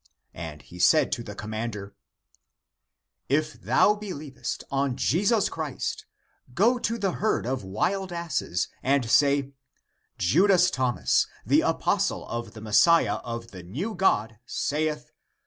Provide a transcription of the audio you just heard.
And he said to the commander, "If thou believest on Jesus Christ, go to the herd of wild asses and say, Judas Thomas, the apostle of the Messiah of the new God, saith.